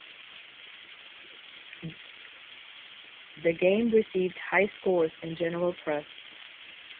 The game received high scores in general press.